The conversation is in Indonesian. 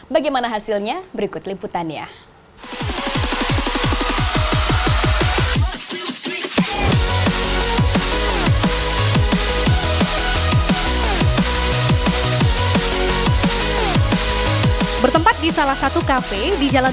bagaimana hasilnya berikut liputannya